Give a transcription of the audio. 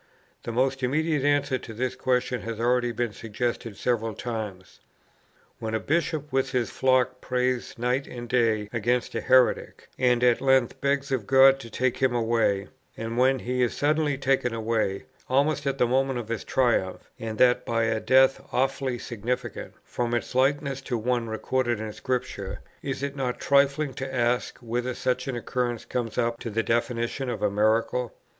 The more immediate answer to this question has already been suggested several times. When a Bishop with his flock prays night and day against a heretic, and at length begs of God to take him away, and when he is suddenly taken away, almost at the moment of his triumph, and that by a death awfully significant, from its likeness to one recorded in Scripture, is it not trifling to ask whether such an occurrence comes up to the definition of a miracle?